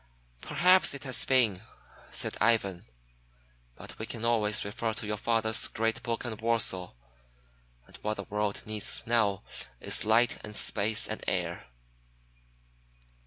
"Perhaps it has been," said Ivan. "But we can always refer to your father's great book on Warsaw, and what the world needs now is light and space and air."